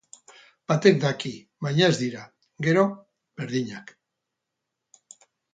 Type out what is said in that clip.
Batek daki, baina ez dira, gero, berdinak.